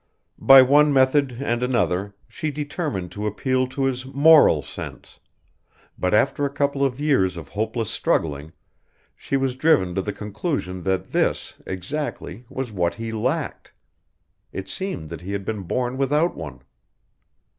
By one method and another she determined to appeal to his moral sense, but after a couple of years of hopeless struggling she was driven to the conclusion that this, exactly, was what he lacked. It seemed that he had been born without one.